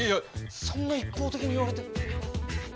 そんな一方的に言われても。